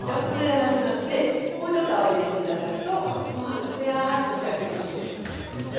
それがなくなってもうちょっとあおいでて頂くとご飯がツヤーッと光ってくると思います。